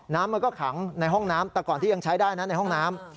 น้ำมันก็ขังในห้องน้ำแต่ก่อนที่ยังใช้ได้นะในห้องน้ำ